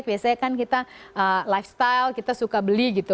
biasanya kan kita lifestyle kita suka beli gitu